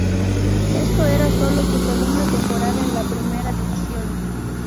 Esto era sólo su segunda temporada en la primera división.